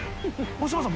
大島さん